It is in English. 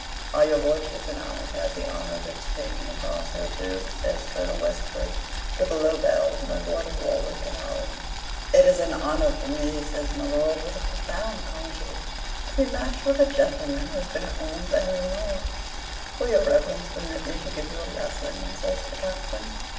"Are your lordship and I to have the honor of exchanging a pass or two?" says Colonel Westbury, with a low bow to my Lord of Warwick and Holland. "It is an honor for me," says my lord, with a profound congee, "to be matched with a gentleman who has been at Mons and Namur." "Will your Reverence permit me to give you a lesson?" says the Captain.